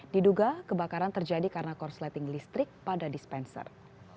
diduga kebakaran terjadi karena korsleting listrik pada dispenser